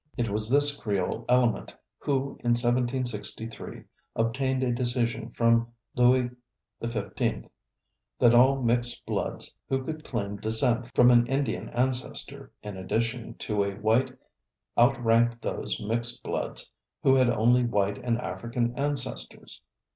It was this Creole element who in 1763 obtained a decision from Louis XV that all mixed bloods who could claim descent from an Indian ancestor in addition to a white outranked those mixed bloods who had only white and African ancestors.